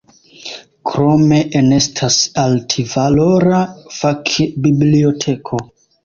Krome enestas altvalora fak-biblioteko.